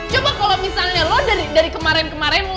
coba kalau misalnya lo dari kemarin kemarin